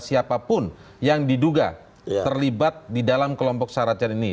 siapapun yang diduga terlibat di dalam kelompok syaratnya ini